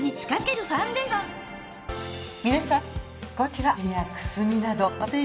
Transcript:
皆さんこんにちは。